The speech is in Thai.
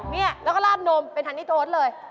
เนี่ยแล้วก็ลาดนมเป็นฮันนี่โต๊ดเลย